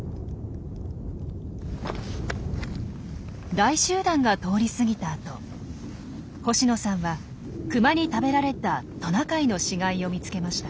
大集団が通り過ぎたあと星野さんはクマに食べられたトナカイの死骸を見つけました。